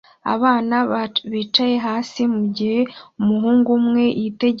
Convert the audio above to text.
abana bicaye hasi mugihe umuhungu umwe yitegereza mu kirere